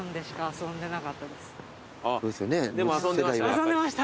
遊んでました。